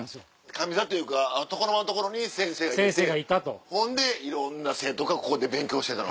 上座というかあの床の間の所に先生がいてほんでいろんな生徒がここで勉強してたの？